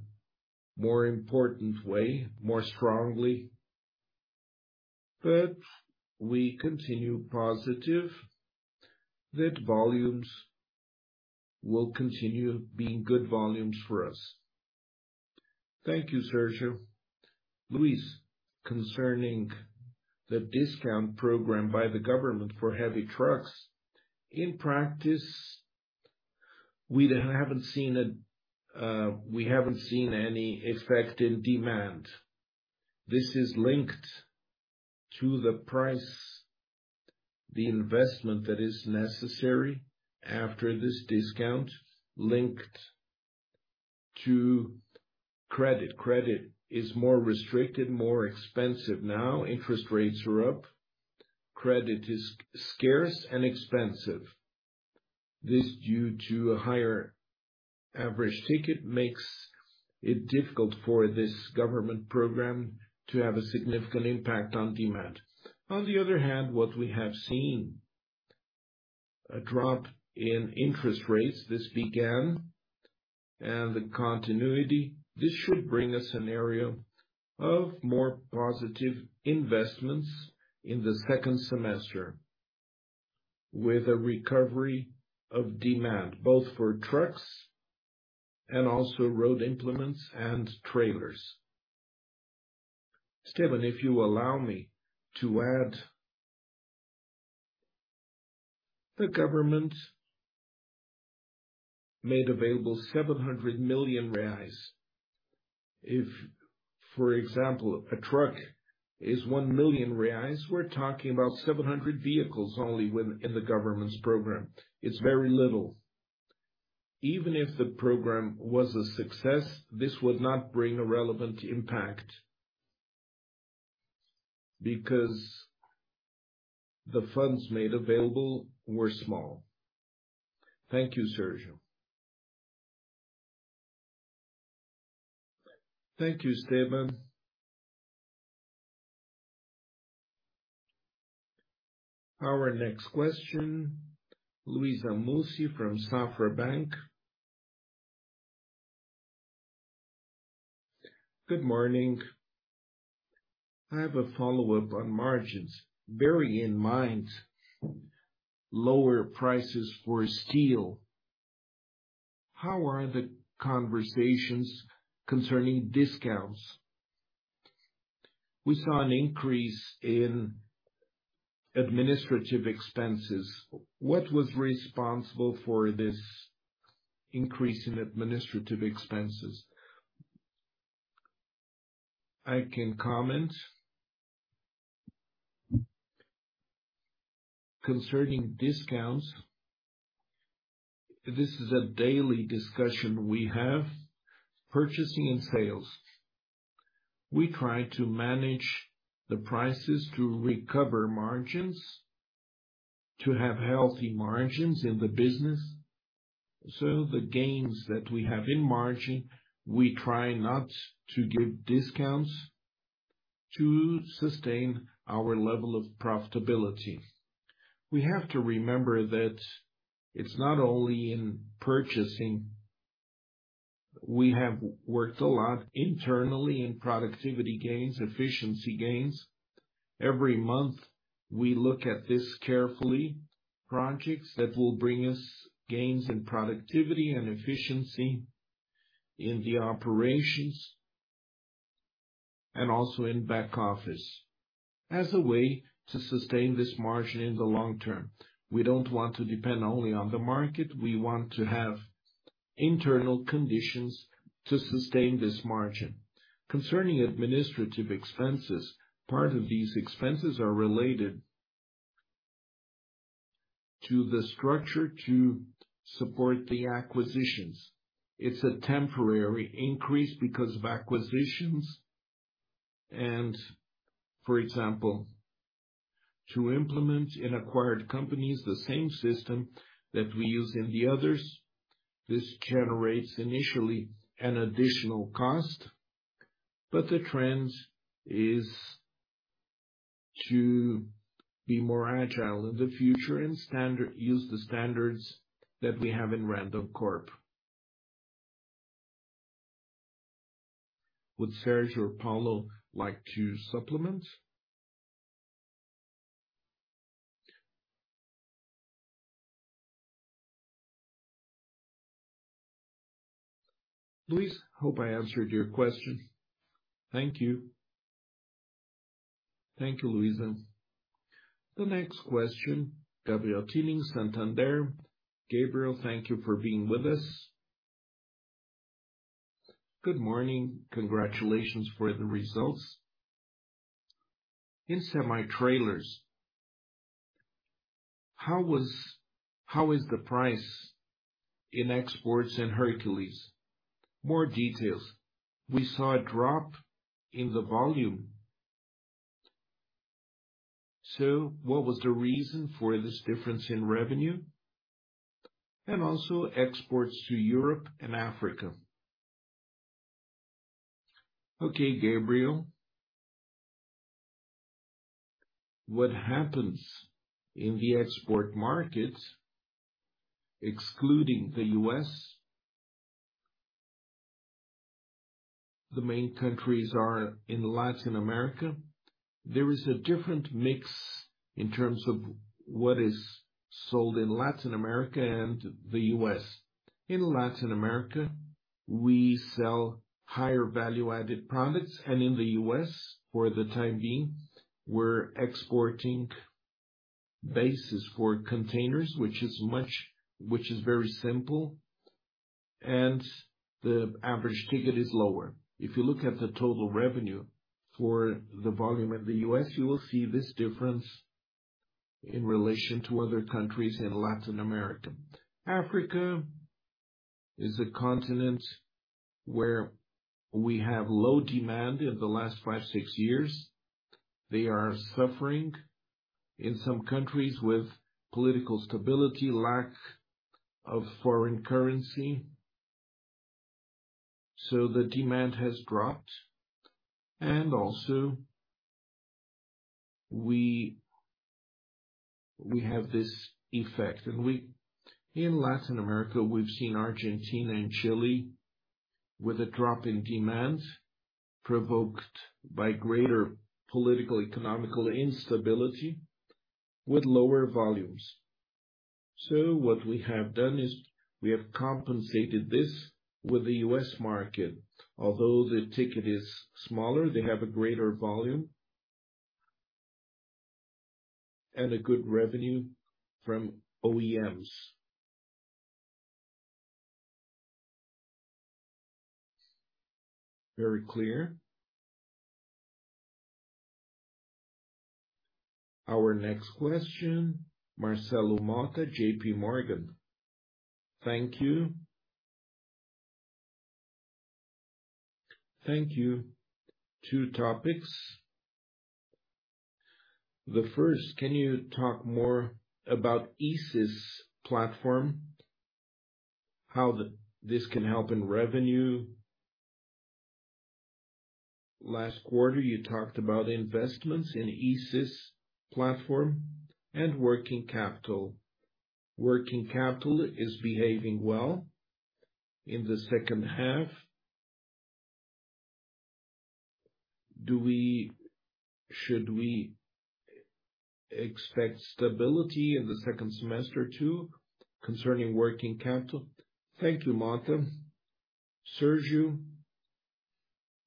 more important way, more strongly, but we continue positive that volumes will continue being good volumes for us. Thank you, Sergio. Luis, concerning the discount program by the government for heavy trucks, in practice, we haven't seen any effect in demand. This is linked to the price, the investment that is necessary after this discount, linked to credit. Credit is more restricted, more expensive now. Interest rates are up, credit is scarce and expensive. This, due to a higher average ticket, makes it difficult for this government program to have a significant impact on demand. On the other hand, what we have seen, a drop in interest rates, this began, and the continuity, this should bring a scenario of more positive investments in the second semester, with a recovery of demand, both for trucks and also road implements and trailers. Steven, if you allow me to add, the government made available 700 million reais. If, for example, a truck is 1 million reais, we're talking about 700 vehicles only in the government's program. It's very little. Even if the program was a success, this would not bring a relevant impact. Because the funds made available were small. Thank you, Sergio. Thank you, Steven. Our next question, Luiza Mussi from Banco Safra. Good morning. I have a follow-up on margins. Bearing in mind, lower prices for steel, how are the conversations concerning discounts? We saw an increase in administrative expenses. What was responsible for this increase in administrative expenses? I can comment. Concerning discounts, this is a daily discussion we have, purchasing and sales. We try to manage the prices to recover margins, to have healthy margins in the business, so the gains that we have in margin. we try not to give discounts to sustain our level of profitability. We have to remember that it's not only in purchasing. We have worked a lot internally in productivity gains, efficiency gains. Every month, we look at this carefully, projects that will bring us gains in productivity and efficiency in the operations, and also in back office, as a way to sustain this margin in the long term. We don't want to depend only on the market, we want to have internal conditions to sustain this margin. Concerning administrative expenses, part of these expenses are related to the structure to support the acquisitions. It's a temporary increase because of acquisitions, and for example, to implement in acquired companies, the same system that we use in the others. This generates initially an additional cost, but the trend is to be more agile in the future and use the standards that we have in Randoncorp. Would Sergio or Paulo like to supplement? Luisa, hope I answered your question. Thank you. Thank you, Luisa. The next question, Gabriel Couto, Santander. Gabriel, thank you for being with us. Good morning. Congratulations for the results. In semi-trailers, how is the price in exports and Hercules? More details, we saw a drop in the volume, so what was the reason for this difference in revenue, and also exports to Europe and Africa? Okay, Gabriel. What happens in the export markets, excluding the US, the main countries are in Latin America. There is a different mix in terms of what is sold in Latin America and the US. In Latin America, we sell higher value-added products, and in the US, for the time being, we're exporting bases for containers, which is very simple, and the average ticket is lower. If you look at the total revenue for the volume in the US, you will see this difference in relation to other countries in Latin America. Africa is a continent where we have low demand in the last five, six years. They are suffering in some countries with political stability, lack of foreign currency. The demand has dropped. Also, we, we have this effect. In Latin America, we've seen Argentina and Chile with a drop in demand, provoked by greater political, economic instability with lower volumes. What we have done is, we have compensated this with the U.S. market. Although the ticket is smaller, they have a greater volume and a good revenue from OEMs. Very clear. Our next question, Marcelo Mota, J.P. Morgan. Thank you. Thank you. Two topics. The first, can you talk more about e-Sys platform, how this can help in revenue? Last quarter, you talked about investments in e-Sys platform and working capital. Working capital is behaving well in the second half. Should we expect stability in the second semester, too, concerning working capital? Thank you, Marcelo. Sergio,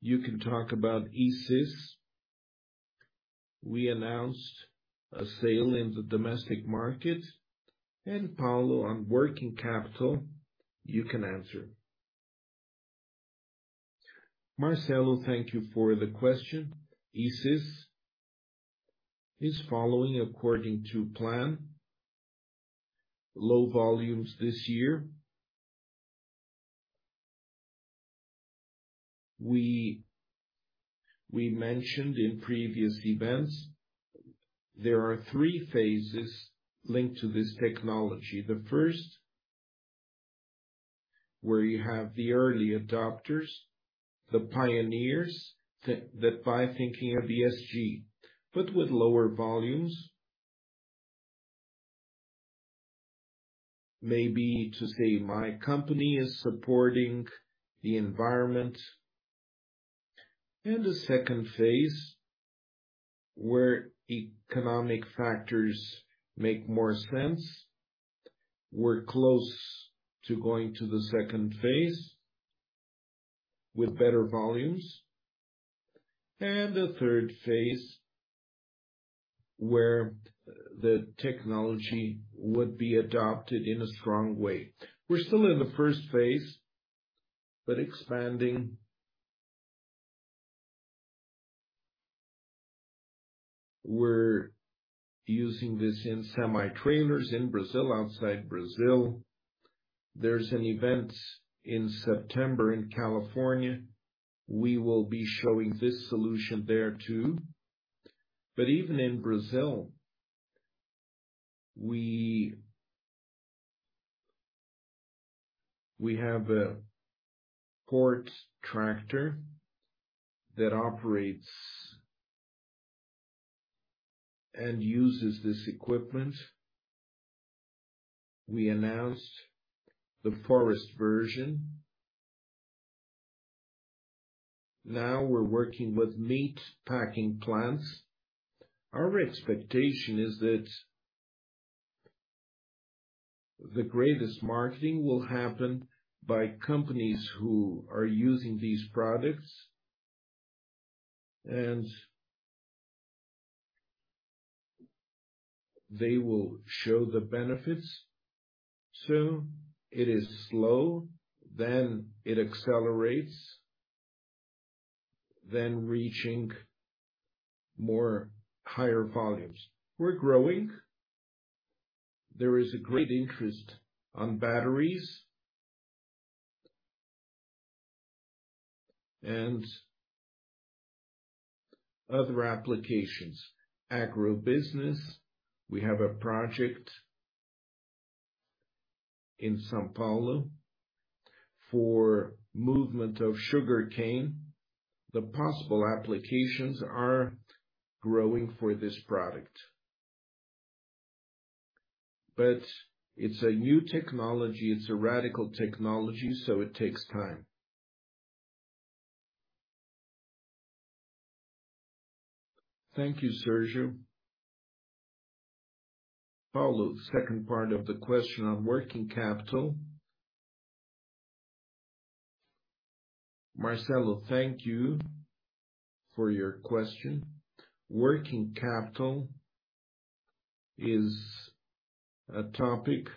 you can talk about e-Sys. We announced a sale in the domestic market. Paulo, on working capital, you can answer. Marcelo, thank you for the question. e-Sys is following according to plan. Low volumes this year. We mentioned in previous events, there are three phases linked to this technology. The first, where you have the early adopters, the pioneers, that by thinking of ESG, but with lower volumes. Maybe to say my company is supporting the environment. A second phase, where economic factors make more sense. We're close to going to the second phase with better volumes. A third phase, where the technology would be adopted in a strong way. We're still in the first phase, but expanding. We're using this in semi-trailers in Brazil. Outside Brazil, there's an event in September in California. We will be showing this solution there, too. Even in Brazil, we, we have a port tractor that operates and uses this equipment. We announced the forest version. Now, we're working with meat packing plants. Our expectation is that the greatest marketing will happen by companies who are using these products, and they will show the benefits soon. It is slow, then it accelerates, then reaching more higher volumes. We're growing. There is a great interest on batteries and other applications. Agribusiness, we have a project in São Paulo for movement of sugar cane. The possible applications are growing for this product. It's a new technology, it's a radical technology, so it takes time. Thank you, Sergio. Paulo, second part of the question on working capital. Marcelo, thank you for your question. Working capital is a topic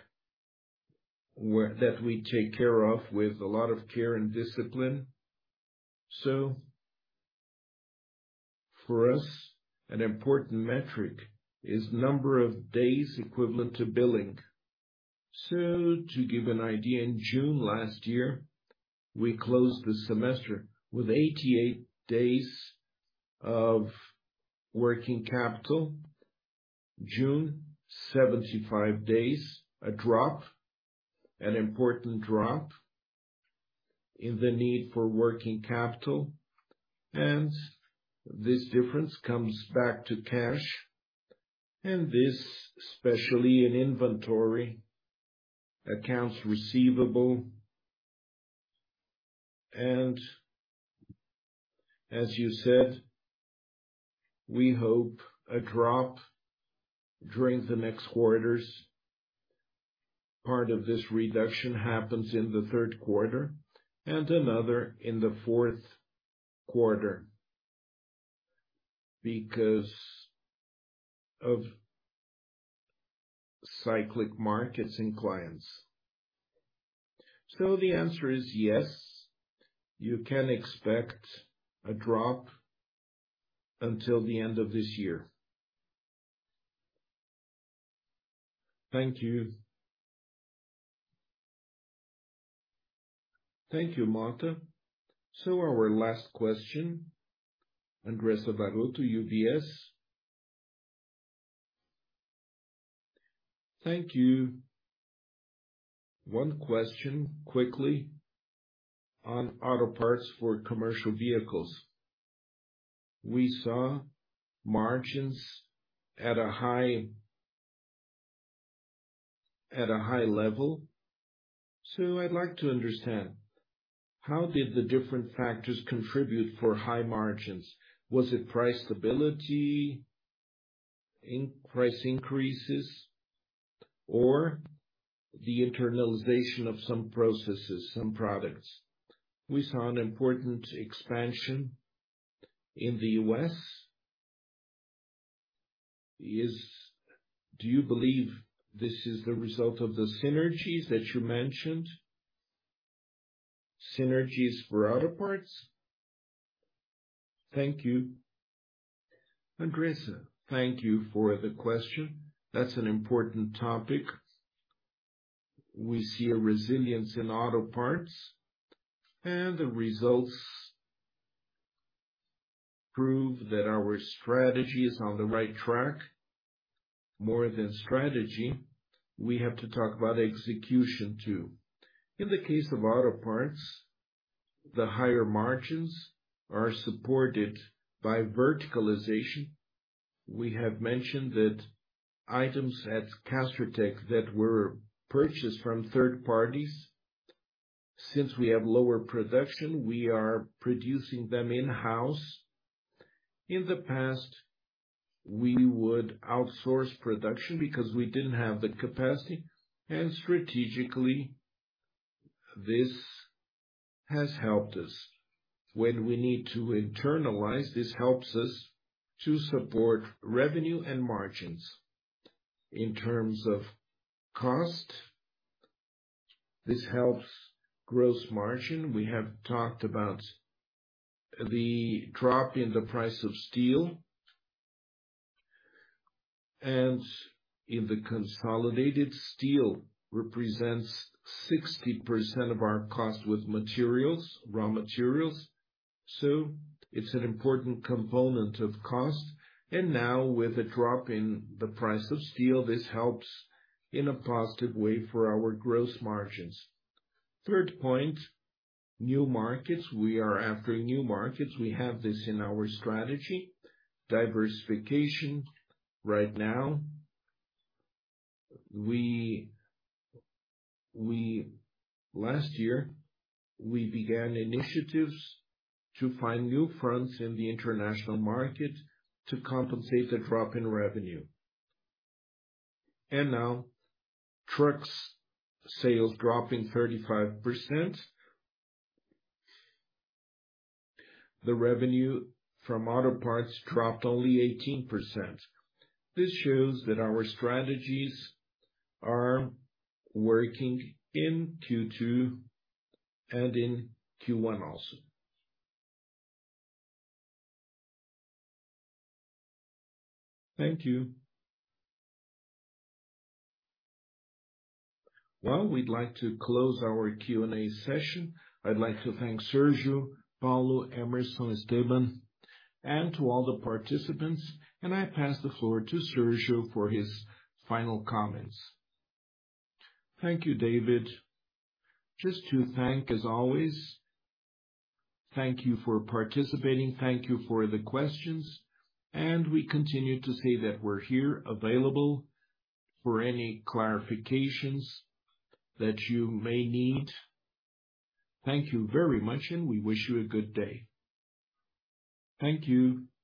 where that we take care of with a lot of care and discipline. For us, an important metric is number of days equivalent to billing. To give an idea, in June last year, we closed the semester with 88 days of working capital. June, 75 days, a drop, an important drop in the need for working capital, and this difference comes back to cash, and this, especially in inventory, accounts receivable. As you said, we hope a drop during the next quarters. Part of this reduction happens in the third quarter and another in the fourth quarter because of cyclic markets and clients. The answer is yes, you can expect a drop until the end of this year. Thank you. Thank you, Martha. Our last question, Andre Saleme to UBS. Thank you. One question quickly on auto parts for commercial vehicles. We saw margins at a high level. I'd like to understand, how did the different factors contribute for high margins? Was it price stability, price increases, or the internalization of some processes, some products? We saw an important expansion in the US. Do you believe this is the result of the synergies that you mentioned, synergies for auto parts? Thank you. Andre, thank you for the question. That's an important topic. We see a resilience in auto parts. The results prove that our strategy is on the right track. More than strategy, we have to talk about execution, too. In the case of auto parts, the higher margins are supported by verticalization. We have mentioned that items at Castertech that were purchased from third parties, since we have lower production, we are producing them in-house. In the past, we would outsource production because we didn't have the capacity, and strategically, this has helped us. When we need to internalize, this helps us to support revenue and margins. In terms of cost, this helps gross margin. We have talked about the drop in the price of steel. In the consolidated, steel represents 60% of our cost with materials, raw materials, so it's an important component of cost. Now with a drop in the price of steel, this helps in a positive way for our gross margins. Third point, new markets. We are after new markets. We have this in our strategy, diversification. Right now, we last year, we began initiatives to find new fronts in the international market to compensate the drop in revenue. Now, trucks sales dropping 35%, the revenue from auto parts dropped only 18%. This shows that our strategies are working in Q2 and in Q1 also. Thank you. Well, we'd like to close our Q&A session. I'd like to thank Sergio, Paulo, Emerson, Esteban, and to all the participants, and I pass the floor to Sergio for his final comments. Thank you, David. Just to thank, as always, thank you for participating, thank you for the questions, and we continue to say that we're here available for any clarifications that you may need. Thank you very much, and we wish you a good day. Thank you.